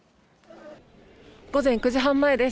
午前９時半前です。